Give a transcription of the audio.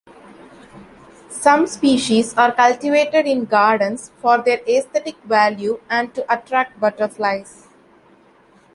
Some species are cultivated in gardens for their aesthetic value and to attract butterflies.